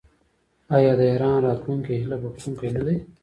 آیا د ایران راتلونکی هیله بښونکی نه دی؟